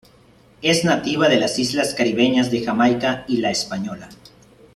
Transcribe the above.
Es nativa de las islas caribeñas de Jamaica y La Española.